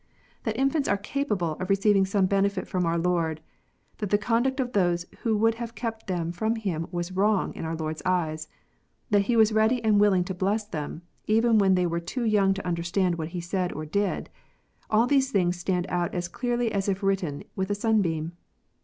That infants are capable of receiving some benefit from our Lord, that the conduct of those who would have kept them from Him was wrong in our Lord s eyes, that He was ready and willing to bless them, even when they were too young to understand what He said or did, all these things stand out as clearly as if written with a sunbeam